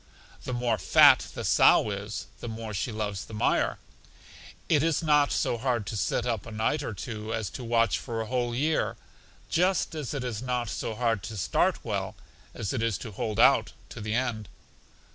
The more fat the sow is, the more she loves the mire. It is not so hard to sit up a night or two, as to watch for a whole year; just as it is not so hard to start well as it is to hold out to the end.